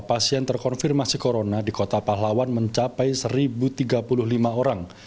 pasien terkonfirmasi corona di kota pahlawan mencapai satu tiga puluh lima orang